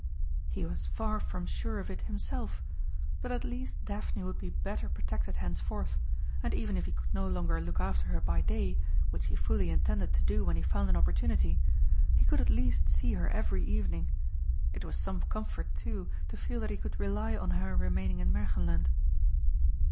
He was far from sure of it himself, but at least Daphne would be better protected henceforth, and even if he could no longer look after her by day, which he fully intended to do when he found an opportunity, he could at least see her every evening. It was some comfort, too, to feel that he could rely on her remaining in Märchenland.